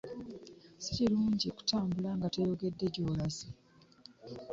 Sikirungi kutambula nga toyogedde gyolaze.